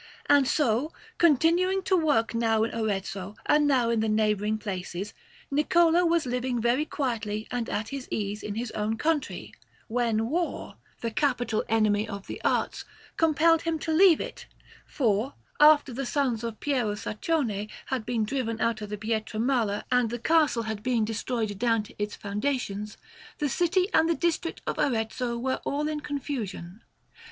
And so, continuing to work now in Arezzo, and now in the neighbouring places, Niccolò was living very quietly and at his ease in his own country, when war, the capital enemy of the arts, compelled him to leave it, for, after the sons of Piero Saccone had been driven out of Pietramala and the castle had been destroyed down to its foundations, the city and the district of Arezzo were all in confusion.